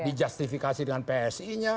dijastifikasi dengan psi nya